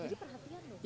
jadi perhatian dong